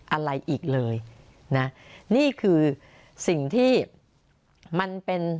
อะไรอีกเลยนะนี่คือสิ่งที่มันเป็น